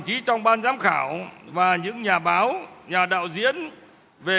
chí trong ban giám khảo và những nhà báo nhà đạo diễn về